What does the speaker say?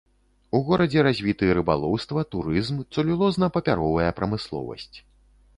У горадзе развіты рыбалоўства, турызм, цэлюлозна-папяровая прамысловасць.